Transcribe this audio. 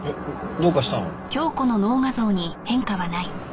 どうかしたの？